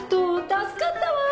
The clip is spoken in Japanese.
助かったわ！